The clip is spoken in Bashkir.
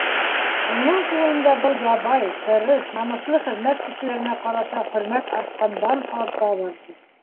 Уның күңелендә был ябай, тырыш, намыҫлы хеҙмәт кешеләренә ҡарата хөрмәт артҡандан-арта барҙы.